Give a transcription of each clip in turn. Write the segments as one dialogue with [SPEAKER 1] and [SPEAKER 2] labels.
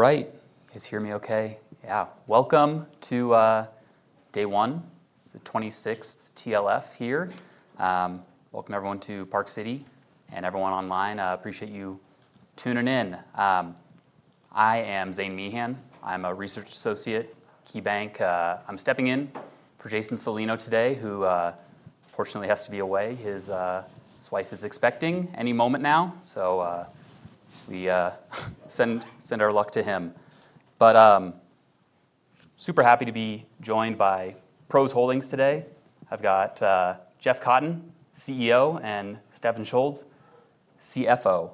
[SPEAKER 1] Right, can you guys hear me okay? Yeah, welcome to day one, the 26th TLF here. Welcome everyone to Park City and everyone online. I appreciate you tuning in. I am Zane Meehan. I'm a Research Associate at KeyBanc Capital Markets Inc. I'm stepping in for Jason Celino today, who unfortunately has to be away. His wife is expecting any moment now. We send our luck to him. Super happy to be joined by PROS Holdings today. I've got Jeff Cotten, CEO, and Stefan Schulz, CFO.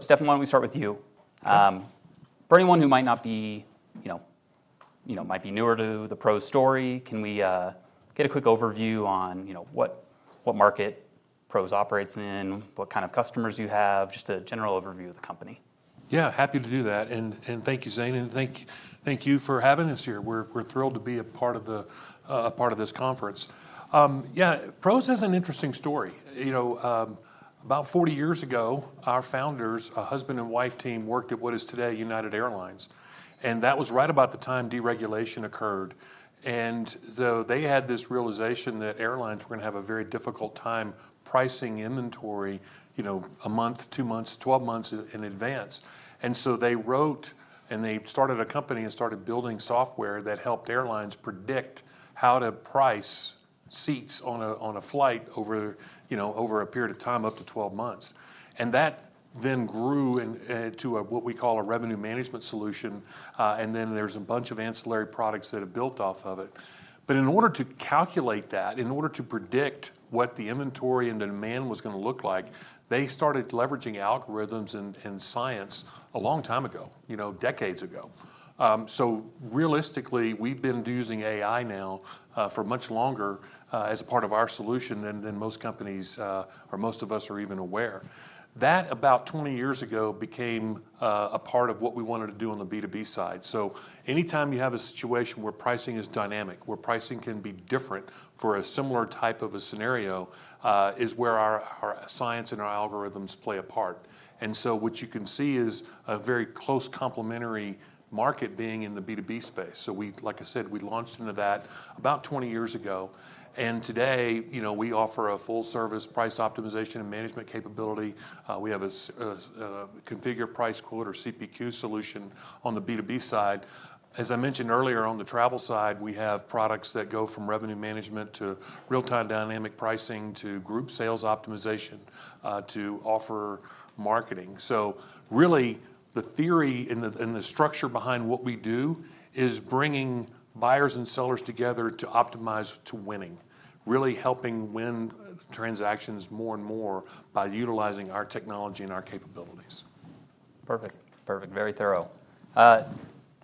[SPEAKER 1] Stefan, why don't we start with you? For anyone who might be newer to the PROS story, can we get a quick overview on what market PROS operates in, what kind of customers you have, just a general overview of the company?
[SPEAKER 2] Yeah, happy to do that. Thank you, Zane, and thank you for having us here. We're thrilled to be a part of this conference. Yeah, PROS has an interesting story. About 40 years ago, our founders, a husband and wife team, worked at what is today United Airlines. That was right about the time deregulation occurred. They had this realization that airlines were going to have a very difficult time pricing inventory, you know, a month, two months, 12 months in advance. They wrote and they started a company and started building software that helped airlines predict how to price seats on a flight over a period of time up to 12 months. That then grew into what we call a revenue management solution, and then there's a bunch of ancillary products that have built off of it. In order to calculate that, in order to predict what the inventory and the demand was going to look like, they started leveraging algorithms and science a long time ago, decades ago. Realistically, we've been using AI now for much longer as part of our solution than most companies, or most of us are even aware. About 20 years ago, that became a part of what we wanted to do on the B2B side. Anytime you have a situation where pricing is dynamic, where pricing can be different for a similar type of a scenario, is where our science and our algorithms play a part. What you can see is a very close complementary market being in the B2B space. Like I said, we launched into that about 20 years ago. Today, we offer a full service price optimization and management capability. We have a configure-price-quote or CPQ solution on the B2B side. As I mentioned earlier, on the travel side, we have products that go from revenue management to real-time dynamic pricing to group sales optimization to offer marketing. Really, the theory and the structure behind what we do is bringing buyers and sellers together to optimize to winning, really helping win transactions more and more by utilizing our technology and our capabilities.
[SPEAKER 1] Perfect, perfect, very thorough.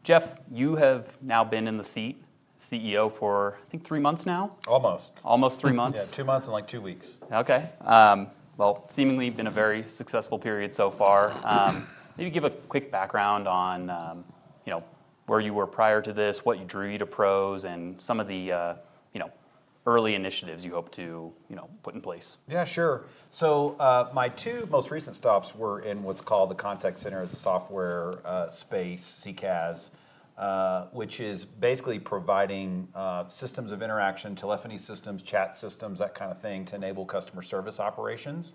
[SPEAKER 1] Jeff, you have now been in the seat as CEO for, I think, three months now?
[SPEAKER 3] Almost.
[SPEAKER 1] Almost three months?
[SPEAKER 3] Yeah, two months and like two weeks.
[SPEAKER 1] Okay. Seemingly you've been a very successful period so far. Maybe give a quick background on, you know, where you were prior to this, what drew you to PROS, and some of the, you know, early initiatives you hope to, you know, put in place?
[SPEAKER 3] Yeah, sure. My two most recent stops were in what's called the Contact Center as a Software Space, CCaaS, which is basically providing systems of interaction, telephony systems, chat systems, that kind of thing to enable customer service operations.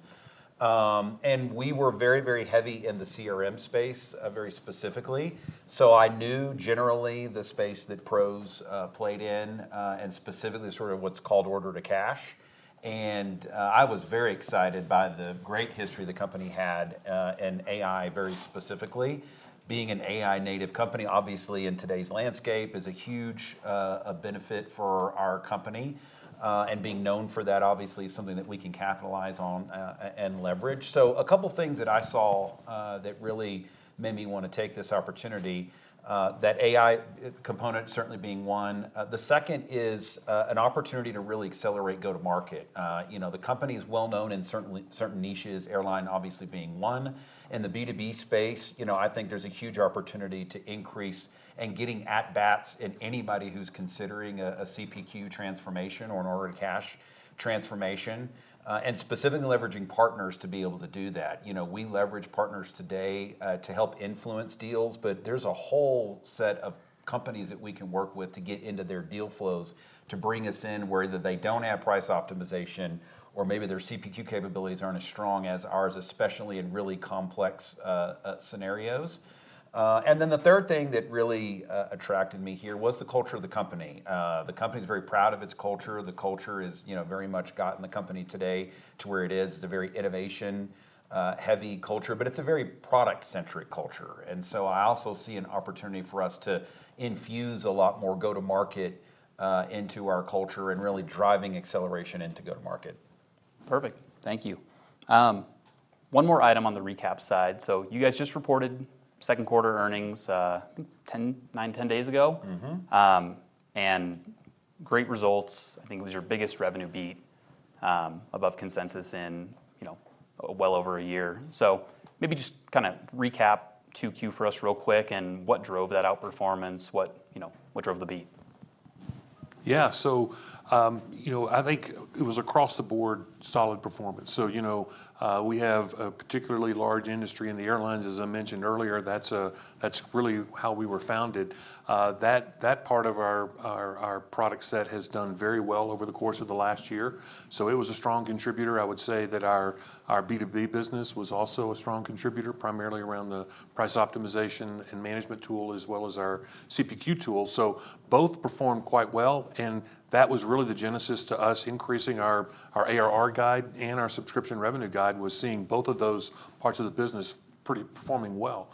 [SPEAKER 3] We were very, very heavy in the CRM space, very specifically. I knew generally the space that PROS played in, and specifically sort of what's called order to cash. I was very excited by the great history the company had, and AI very specifically. Being an AI-native company, obviously, in today's landscape is a huge benefit for our company, and being known for that, obviously, is something that we can capitalize on and leverage. A couple of things that I saw that really made me want to take this opportunity, that AI component certainly being one. The second is an opportunity to really accelerate go-to-market. The company is well known in certain niches, airline obviously being one. In the B2B space, I think there's a huge opportunity to increase and getting at-bats in anybody who's considering a CPQ transformation or an order-to-cash transformation, and specifically leveraging partners to be able to do that. We leverage partners today to help influence deals, but there's a whole set of companies that we can work with to get into their deal flows to bring us in where they don't have price optimization or maybe their CPQ capabilities aren't as strong as ours, especially in really complex scenarios. The third thing that really attracted me here was the culture of the company. The company is very proud of its culture. The culture has very much gotten the company today to where it is. It's a very innovation-heavy culture, but it's a very product-centric culture. I also see an opportunity for us to infuse a lot more go-to-market into our culture and really driving acceleration into go-to-market.
[SPEAKER 1] Perfect. Thank you. One more item on the recap side. You guys just reported second quarter earnings, I think 10, 9, 10 days ago. Great results. I think it was your biggest revenue beat, above consensus in, you know, well over a year. Maybe just kind of recap 2Q for us real quick and what drove that outperformance, what drove the beat?
[SPEAKER 2] Yeah, I think it was across the board solid performance. We have a particularly large industry in the airlines, as I mentioned earlier. That's really how we were founded. That part of our product set has done very well over the course of the last year. It was a strong contributor. I would say that our B2B business was also a strong contributor, primarily around the price optimization and management tool, as well as our CPQ tool. Both performed quite well. That was really the genesis to us increasing our ARR guide and our subscription revenue guide, seeing both of those parts of the business performing well.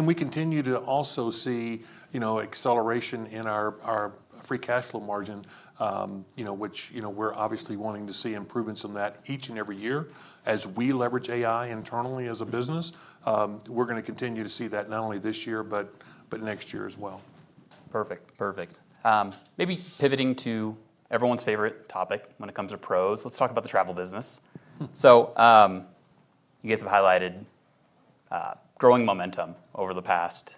[SPEAKER 2] We continue to also see acceleration in our free cash flow margin, which we're obviously wanting to see improvements on that each and every year as we leverage AI internally as a business. We're going to continue to see that not only this year, but next year as well.
[SPEAKER 1] Perfect, perfect. Maybe pivoting to everyone's favorite topic when it comes to PROS, let's talk about the travel business. You guys have highlighted growing momentum over the past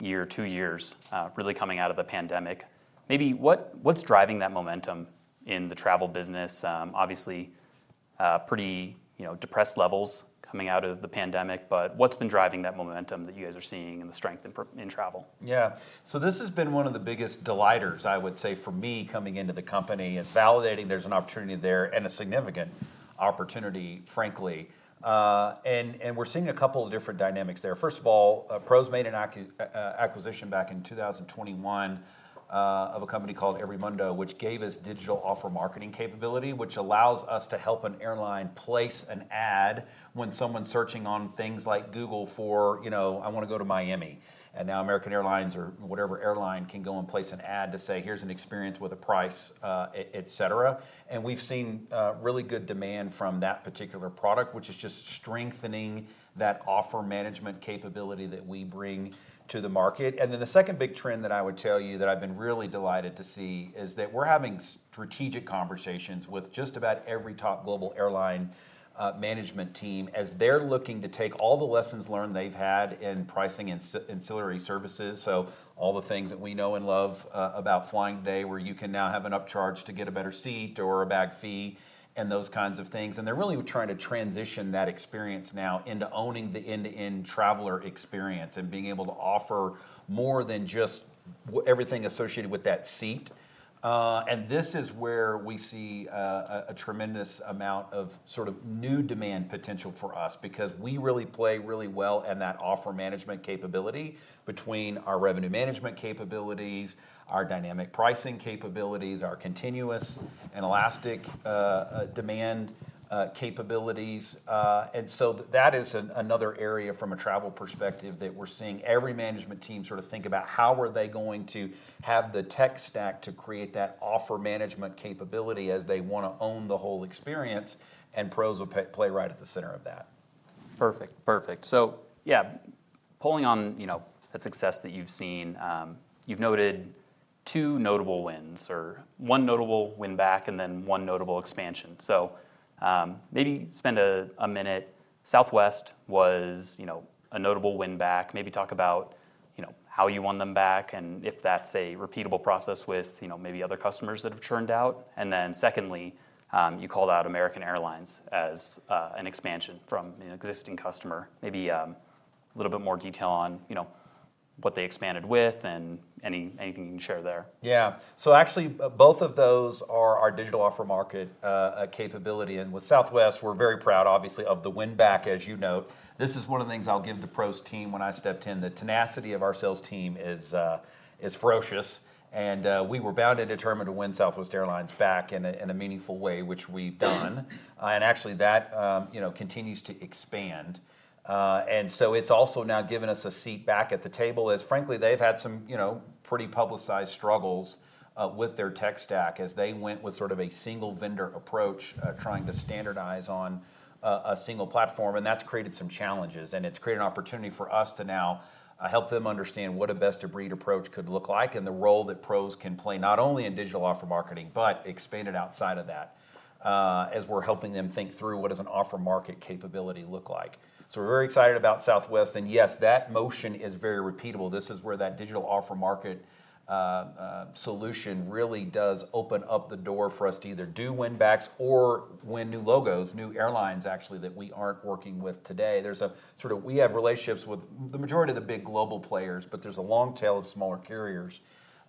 [SPEAKER 1] year, two years, really coming out of the pandemic. What's driving that momentum in the travel business? Obviously, pretty depressed levels coming out of the pandemic, but what's been driving that momentum that you guys are seeing and the strength in travel?
[SPEAKER 3] Yeah, so this has been one of the biggest delighters, I would say, for me coming into the company. It's validating there's an opportunity there and a significant opportunity, frankly. We're seeing a couple of different dynamics there. First of all, PROS made an acquisition back in 2021 of a company called EveryMundo, which gave us digital offer marketing capability, which allows us to help an airline place an ad when someone's searching on things like Google for, you know, I want to go to Miami. Now American Airlines or whatever airline can go and place an ad to say, here's an experience with a price, et cetera. We've seen really good demand from that particular product, which is just strengthening that offer management capability that we bring to the market. The second big trend that I would tell you that I've been really delighted to see is that we're having strategic conversations with just about every top global airline management team as they're looking to take all the lessons learned they've had in pricing and ancillary services. All the things that we know and love about flying today, where you can now have an upcharge to get a better seat or a bag fee and those kinds of things. They're really trying to transition that experience now into owning the end-to-end traveler experience and being able to offer more than just everything associated with that seat. This is where we see a tremendous amount of sort of new demand potential for us because we really play really well in that offer management capability between our revenue management capabilities, our dynamic pricing capabilities, our continuous and elastic demand capabilities. That is another area from a travel perspective that we're seeing every management team sort of think about, how are they going to have the tech stack to create that offer management capability as they want to own the whole experience. PROS will play right at the center of that.
[SPEAKER 1] Perfect, perfect. Pulling on a success that you've seen, you've noted two notable wins or one notable win back and then one notable expansion. Maybe spend a minute. Southwest was a notable win back. Maybe talk about how you won them back and if that's a repeatable process with maybe other customers that have churned out. Secondly, you called out American Airlines as an expansion from an existing customer. Maybe a little bit more detail on what they expanded with and anything you can share there?
[SPEAKER 3] Yeah, so actually both of those are our digital offer marketing capability. With Southwest, we're very proud, obviously, of the win back, as you note. This is one of the things I'll give the PROS team when I stepped in. The tenacity of our sales team is ferocious. We were bound and determined to win Southwest Airlines back in a meaningful way, which we've done. That continues to expand, and it's also now given us a seat back at the table as, frankly, they've had some pretty publicized struggles with their tech stack as they went with sort of a single vendor approach, trying to standardize on a single platform. That's created some challenges, and it's created an opportunity for us to now help them understand what a best-of-breed approach could look like and the role that PROS can play not only in digital offer marketing, but expand it outside of that, as we're helping them think through what an offer market capability looks like. We're very excited about Southwest. Yes, that motion is very repeatable. This is where that digital offer marketing solution really does open up the door for us to either do win backs or win new logos, new airlines actually that we aren't working with today. We have relationships with the majority of the big global players, but there's a long tail of smaller carriers,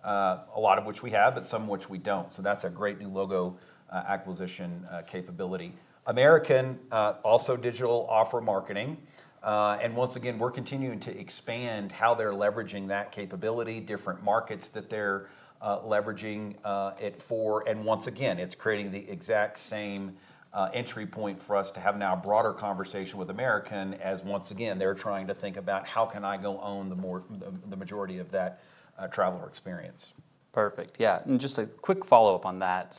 [SPEAKER 3] a lot of which we have, but some of which we don't. That's a great new logo acquisition capability. American, also digital offer marketing, and once again, we're continuing to expand how they're leveraging that capability, different markets that they're leveraging it for. Once again, it's creating the exact same entry point for us to have now a broader conversation with American as once again, they're trying to think about how can I go own the majority of that traveler experience.
[SPEAKER 1] Perfect. Yeah. Just a quick follow-up on that.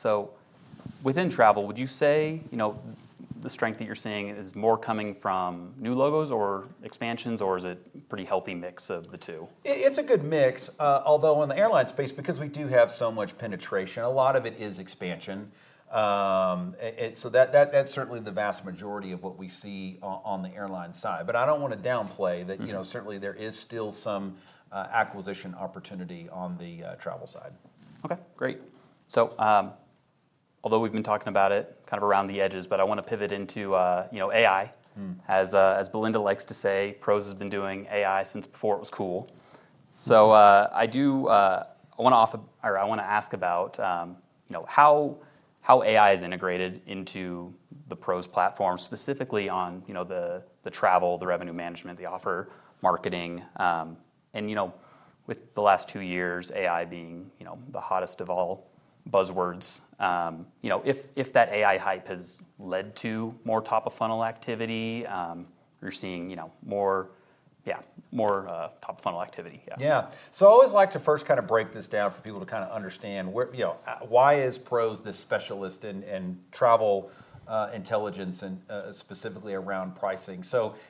[SPEAKER 1] Within travel, would you say the strength that you're seeing is more coming from new logos or expansions, or is it a pretty healthy mix of the two?
[SPEAKER 3] It's a good mix, although in the airline space, because we do have so much penetration, a lot of it is expansion. That's certainly the vast majority of what we see on the airline side. I don't want to downplay that, you know, certainly there is still some acquisition opportunity on the travel side.
[SPEAKER 1] Okay, great. Although we've been talking about it kind of around the edges, I want to pivot into, you know, AI. As Belinda likes to say, PROS has been doing AI since before it was cool. I want to ask about, you know, how AI is integrated into the PROS platform, specifically on the travel, the revenue management, the offer marketing, and, you know, with the last two years, AI being the hottest of all buzzwords, if that AI hype has led to more top of funnel activity, you're seeing more, yeah, more top of funnel activity?
[SPEAKER 3] Yeah. Yeah. I always like to first kind of break this down for people to kind of understand where, you know, why is PROS this specialist in travel intelligence and specifically around pricing?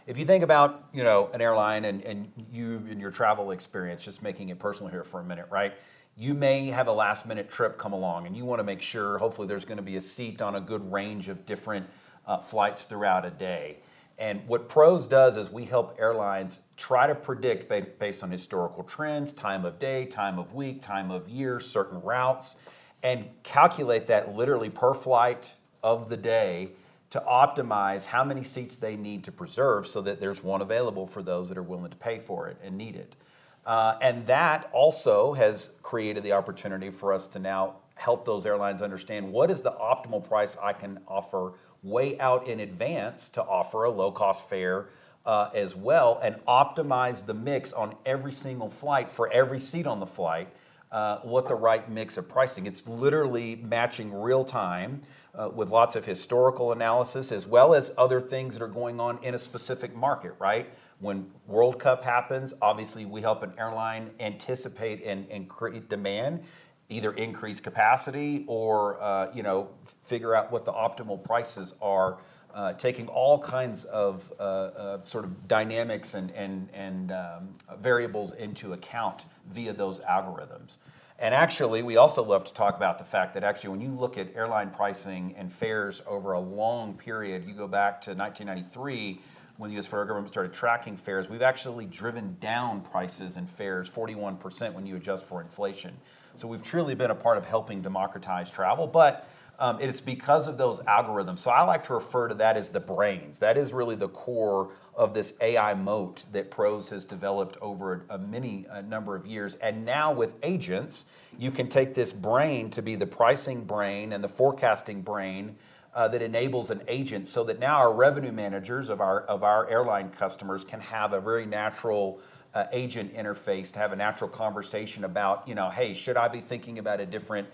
[SPEAKER 3] If you think about, you know, an airline and your travel experience, just making it personal here for a minute, right? You may have a last-minute trip come along and you want to make sure hopefully there's going to be a seat on a good range of different flights throughout a day. What PROS does is we help airlines try to predict based on historical trends, time of day, time of week, time of year, certain routes, and calculate that literally per flight of the day to optimize how many seats they need to preserve so that there's one available for those that are willing to pay for it and need it. That also has created the opportunity for us to now help those airlines understand what is the optimal price I can offer way out in advance to offer a low-cost fare as well and optimize the mix on every single flight for every seat on the flight, with the right mix of pricing. It's literally matching real time, with lots of historical analysis as well as other things that are going on in a specific market, right? When World Cup happens, obviously we help an airline anticipate and create demand, either increase capacity or figure out what the optimal prices are, taking all kinds of dynamics and variables into account via those algorithms. We also love to talk about the fact that actually when you look at airline pricing and fares over a long period, you go back to 1993 when the U.S. Federal Government started tracking fares, we've actually driven down prices and fares 41% when you adjust for inflation. We've truly been a part of helping democratize travel, but it's because of those algorithms. I like to refer to that as the brains. That is really the core of this AI moat that PROS has developed over a many number of years. Now with agents, you can take this brain to be the pricing brain and the forecasting brain that enables an agent so that now our revenue managers of our airline customers can have a very natural agent interface to have a natural conversation about, you know, hey, should I be thinking about a different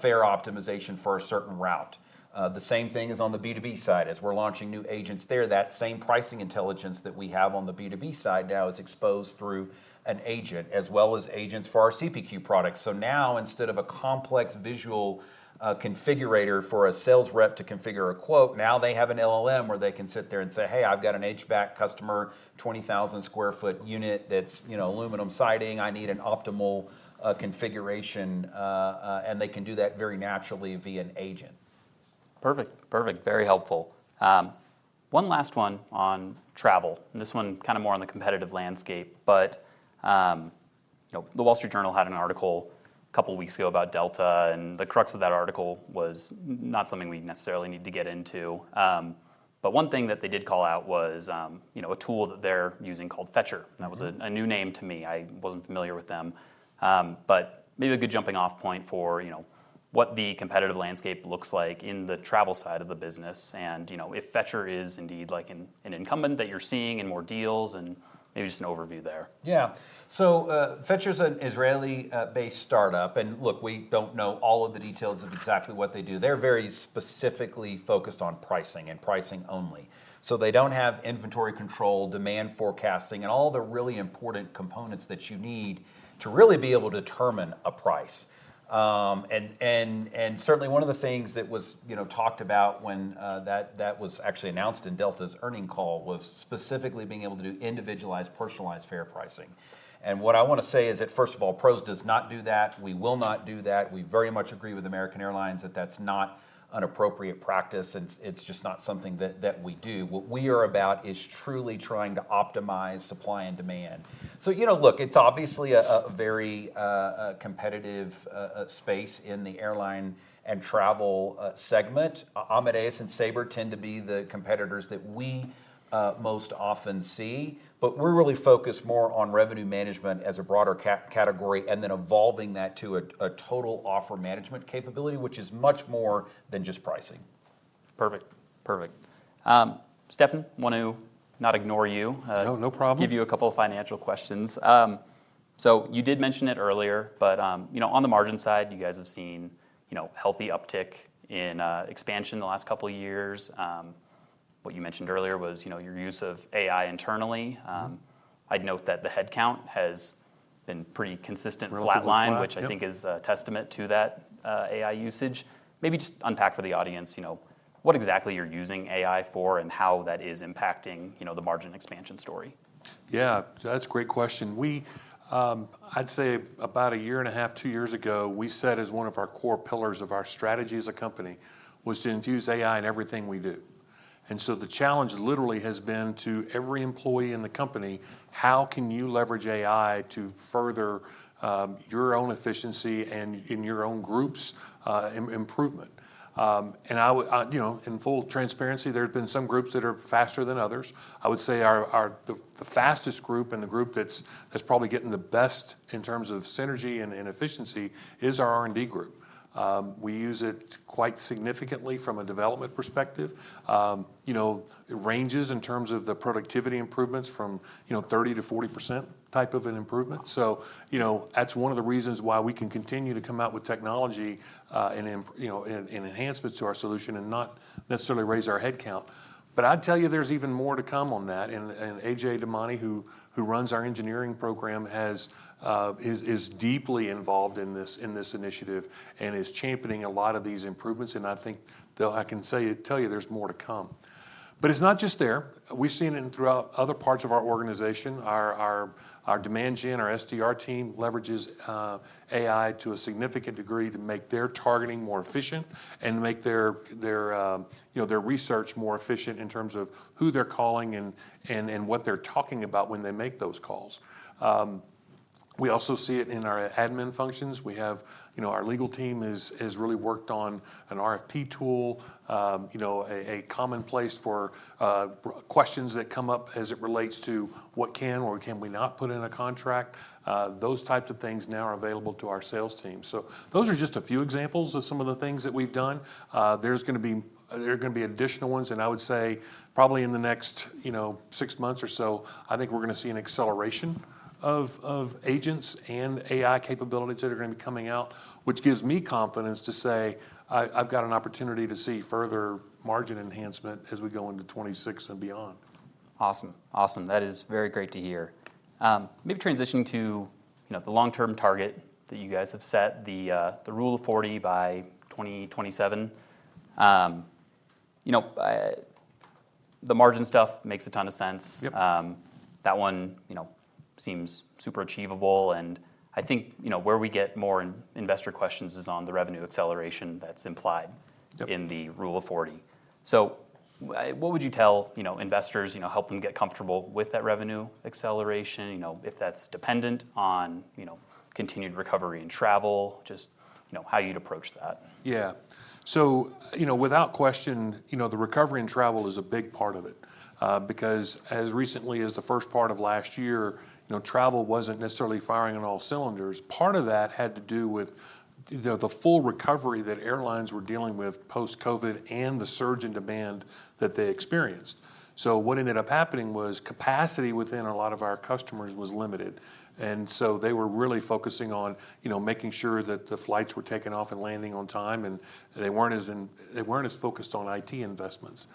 [SPEAKER 3] fare optimization for a certain route? The same thing is on the B2B side as we're launching new agents there. That same pricing intelligence that we have on the B2B side now is exposed through an agent as well as agents for our CPQ products. Now, instead of a complex visual configurator for a sales rep to configure a quote, they have an LLM where they can sit there and say, hey, I've got an HVAC customer, 20,000 sq ft unit that's, you know, aluminum siding. I need an optimal configuration, and they can do that very naturally via an agent.
[SPEAKER 1] Perfect, perfect, very helpful. One last one on travel, and this one kind of more on the competitive landscape. You know, The Wall Street Journal had an article a couple of weeks ago about Delta, and the crux of that article was not something we necessarily need to get into. One thing that they did call out was a tool that they're using called Fetcherr. That was a new name to me. I wasn't familiar with them. Maybe a good jumping off point for what the competitive landscape looks like in the travel side of the business, and if Fetcherr is indeed like an incumbent that you're seeing in more deals and maybe just an overview there.
[SPEAKER 3] Yeah, so, Fetcherr's an Israeli-based startup. We don't know all of the details of exactly what they do. They're very specifically focused on pricing and pricing only. They don't have inventory control, demand forecasting, and all the really important components that you need to really be able to determine a price. Certainly one of the things that was talked about when that was actually announced in Delta's earning call was specifically being able to do individualized, personalized fare pricing. What I want to say is that first of all, PROS does not do that. We will not do that. We very much agree with American Airlines that that's not an appropriate practice. It's just not something that we do. What we are about is truly trying to optimize supply and demand. It's obviously a very competitive space in the airline and travel segment. Amadeus and Sabre tend to be the competitors that we most often see, but we're really focused more on revenue management as a broader category and then evolving that to a total offer management capability, which is much more than just pricing.
[SPEAKER 1] Perfect, perfect. Stefan, want to not ignore you.
[SPEAKER 2] No, no problem.
[SPEAKER 1] Give you a couple of financial questions. You did mention it earlier, but, you know, on the margin side, you guys have seen, you know, healthy uptick in expansion the last couple of years. What you mentioned earlier was, you know, your use of AI internally. I'd note that the headcount has been pretty consistent, flat line, which I think is a testament to that AI usage. Maybe just unpack for the audience, you know, what exactly you're using AI for and how that is impacting, you know, the margin expansion story?
[SPEAKER 2] Yeah, that's a great question. I'd say about a year and a half, two years ago, we said as one of our core pillars of our strategy as a company was to infuse AI in everything we do. The challenge literally has been to every employee in the company: how can you leverage AI to further your own efficiency and your own group's improvement. I would, you know, in full transparency, there's been some groups that are faster than others. I would say the fastest group and the group that's probably getting the best in terms of synergy and efficiency is our R&D group. We use it quite significantly from a development perspective. It ranges in terms of the productivity improvements from 30% - 40% type of an improvement. That's one of the reasons why we can continue to come out with technology and enhancements to our solution and not necessarily raise our headcount. I'd tell you there's even more to come on that. Ajay Damani, who runs our engineering program, is deeply involved in this initiative and is championing a lot of these improvements. I think I can say there's more to come. It's not just there. We've seen it throughout other parts of our organization. Our demand gen, our SDR team leverages AI to a significant degree to make their targeting more efficient and make their research more efficient in terms of who they're calling and what they're talking about when they make those calls. We also see it in our admin functions. Our legal team has really worked on an RFP tool, a common place for questions that come up as it relates to what can or can we not put in a contract. Those types of things now are available to our sales team. Those are just a few examples of some of the things that we've done. There are going to be additional ones. I would say probably in the next six months or so, I think we're going to see an acceleration of agents and AI capabilities that are going to be coming out, which gives me confidence to say I've got an opportunity to see further margin enhancement as we go into 2026 and beyond.
[SPEAKER 1] Awesome. That is very great to hear. Maybe transitioning to the long-term target that you guys have set, the Rule of 40 by 2027. The margin stuff makes a ton of sense. That one seems super achievable. I think where we get more investor questions is on the revenue acceleration that's implied in the Rule of 40. What would you tell investors to help them get comfortable with that revenue acceleration, if that's dependent on continued recovery in travel, just how you'd approach that?
[SPEAKER 2] Yeah. Without question, the recovery in travel is a big part of it, because as recently as the first part of last year, travel wasn't necessarily firing on all cylinders. Part of that had to do with the full recovery that airlines were dealing with post-COVID and the surge in demand that they experienced. What ended up happening was capacity within a lot of our customers was limited, and they were really focusing on making sure that the flights were taking off and landing on time, and they weren't as focused on IT investments.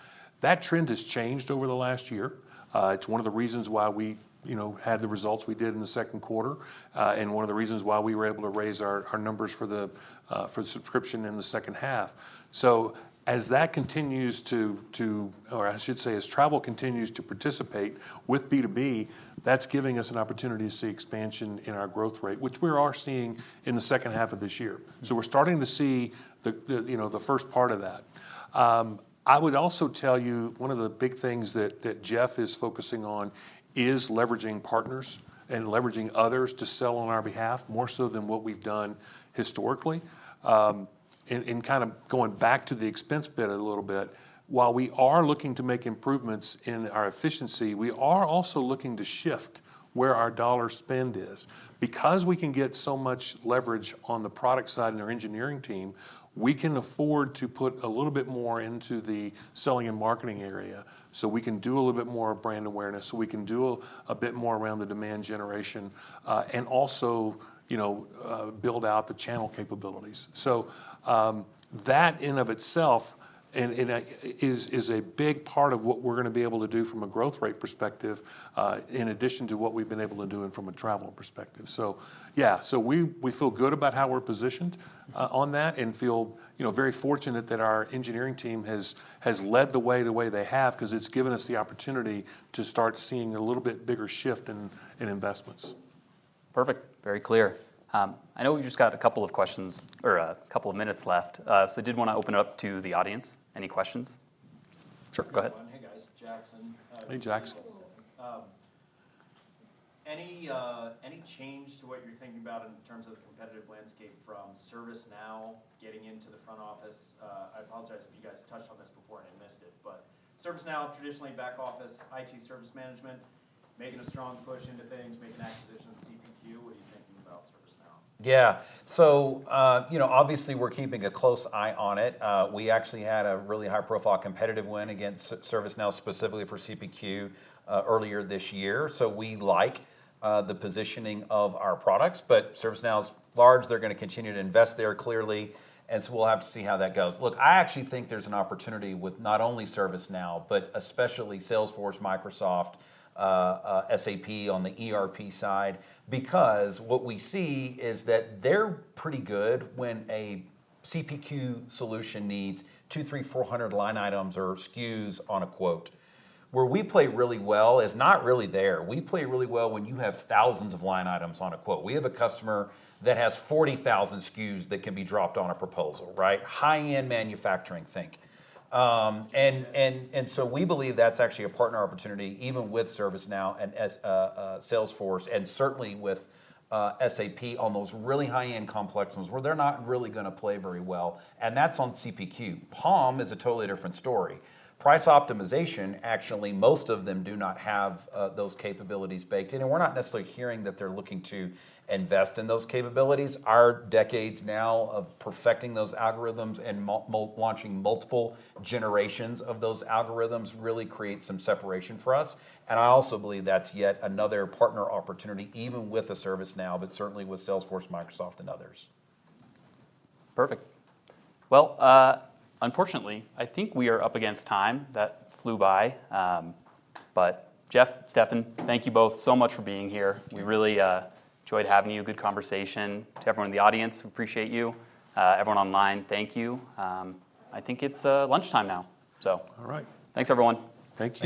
[SPEAKER 2] That trend has changed over the last year. It is one of the reasons why we had the results we did in the second quarter, and one of the reasons why we were able to raise our numbers for the subscription in the second half. As travel continues to participate with B2B, that's giving us an opportunity to see expansion in our growth rate, which we are seeing in the second half of this year. We're starting to see the first part of that. I would also tell you one of the big things that Jeff is focusing on is leveraging partners and leveraging others to sell on our behalf more so than what we've done historically. Going back to the expense bit a little bit, while we are looking to make improvements in our efficiency, we are also looking to shift where our dollar spend is because we can get so much leverage on the product side and their engineering team. We can afford to put a little bit more into the selling and marketing area. We can do a little bit more brand awareness. We can do a bit more around the demand generation, and also build out the channel capabilities. That in and of itself is a big part of what we're going to be able to do from a growth rate perspective, in addition to what we've been able to do from a travel perspective. We feel good about how we're positioned on that and feel very fortunate that our engineering team has led the way the way they have, because it's given us the opportunity to start seeing a little bit bigger shift in investments.
[SPEAKER 1] Perfect. Very clear. I know we've just got a couple of questions or a couple of minutes left, so I did want to open it up to the audience. Any questions?
[SPEAKER 3] Sure, go ahead. Hey guys, Jackson.
[SPEAKER 2] Hey Jackson. Any change to what you're thinking about in terms of the competitive landscape from ServiceNow getting into the front office? I apologize if you guys touched on this before and I missed it, but ServiceNow traditionally back office, IT service management, making a strong push into things, making an acquisition on CPQ.
[SPEAKER 3] Yeah, so, you know, obviously we're keeping a close eye on it. We actually had a really high-profile competitive win against ServiceNow specifically for CPQ earlier this year. We like the positioning of our products, but ServiceNow is large. They're going to continue to invest there clearly, and we will have to see how that goes. Look, I actually think there's an opportunity with not only ServiceNow, but especially Salesforce, Microsoft, SAP on the ERP side, because what we see is that they're pretty good when a CPQ solution needs two, three, 400 line items or SKUs on a quote. Where we play really well is not really there. We play really well when you have thousands of line items on a quote. We have a customer that has 40,000 SKUs that can be dropped on a proposal, right? High-end manufacturing thing. We believe that's actually a partner opportunity even with ServiceNow and Salesforce and certainly with SAP on those really high-end complex ones where they're not really going to play very well. That's on CPQ. Palm is a totally different story. Price optimization, actually, most of them do not have those capabilities baked in, and we're not necessarily hearing that they're looking to invest in those capabilities. Our decades now of perfecting those algorithms and launching multiple generations of those algorithms really create some separation for us. I also believe that's yet another partner opportunity, even with a ServiceNow, but certainly with Salesforce, Microsoft, and others.
[SPEAKER 1] Perfect. Unfortunately, I think we are up against time that flew by. Jeff, Stefan, thank you both so much for being here. We really enjoyed having you. Good conversation to everyone in the audience. We appreciate you. Everyone online, thank you. I think it's lunchtime now. All right, thanks everyone.
[SPEAKER 3] Thank you.